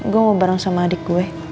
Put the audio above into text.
gue mau bareng sama adik gue